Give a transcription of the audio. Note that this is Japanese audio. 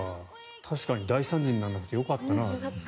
確かに大惨事にならなくてよかったなと。